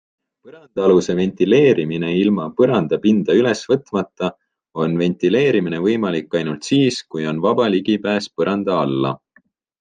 Põrandaaluse ventileerimine Ilma põrandapinda ülesvõtmata on ventileerimine võimalik ainult siis, kui on vaba ligipääs põranda alla.